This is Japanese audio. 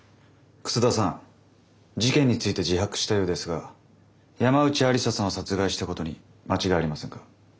楠田さん事件について自白したようですが山内愛理沙さんを殺害したことに間違いありませんか？